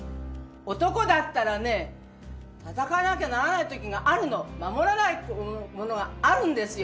男だったらね、戦わなきゃならないときがあるの、守らないとものがあるんですよ。